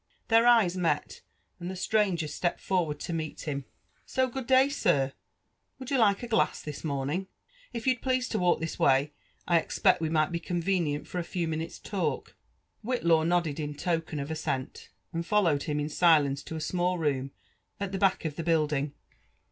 Their eyes met, and the stranger stepped forward to meet him. ^." So I good day, sir. Wotild you like a glass this morning f If you'd please to walk this way, I expect we might be convenient for a few minutes' talk.'* Whitlaw nodded in token of assent, and followed him in silence to a small room at the back of the building.